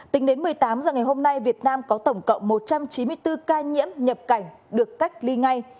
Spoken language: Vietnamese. tính đến một mươi tám h ngày hôm nay việt nam có tổng cộng một trăm chín mươi bốn ca nhiễm nhập cảnh được cách ly ngay